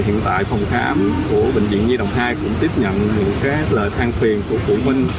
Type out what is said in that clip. hiện tại phòng khám của bệnh viện nhi đồng hai cũng tiếp nhận những lời sang phiền của cụ minh